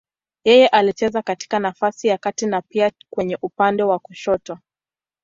Yeye alicheza katika nafasi ya kati na pia kwenye upande wa kushoto.